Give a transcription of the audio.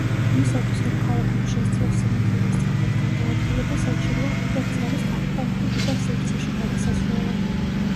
იმისათვის რომ ქალაქმა შესძლოს სინათლეზე სწრაფად გადაადგილება საჭიროა ჰიპერძრავის გამოყენება ჰიპერსივრცეში გადასასვლელად.